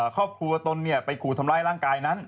ครอบครัวตนไปขู่ทำร้ายร่างกายนั้น